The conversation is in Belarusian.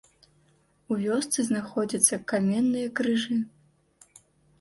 У вёсцы знаходзяцца каменныя крыжы.